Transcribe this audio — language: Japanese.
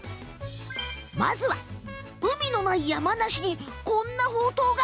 まずは、海のない山梨にこんなほうとうが！